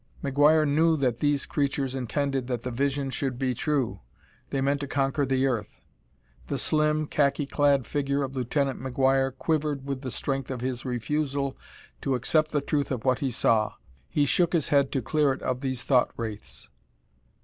McGuire knew that these creatures intended that the vision should be true they meant to conquer the earth. The slim, khaki clad figure of Lieutenant McGuire quivered with the strength of his refusal to accept the truth of what he saw. He shook his head to clear it of these thought wraiths.